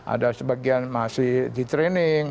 ada sebagian masih di training